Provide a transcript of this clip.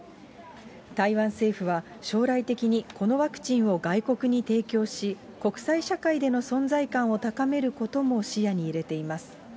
台湾政府は将来的にこのワクチンを外国に提供し、国際社会での存在感を高めることも視野に入れています。